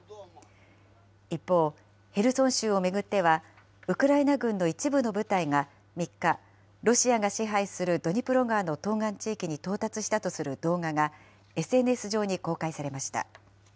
一方、ヘルソン州を巡っては、ウクライナ軍の一部の部隊が３日、ロシアが支配するドニプロ川の東岸地域に到達したとする動画がＳＮＳ上に公開されました。